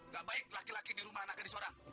gak baik laki laki di rumah anaknya di seorang